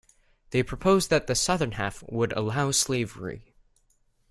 They proposed that the southern half would allow slavery.